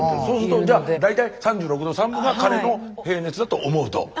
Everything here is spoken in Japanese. そうするとじゃあ大体３６度３分が彼の平熱だと思うと。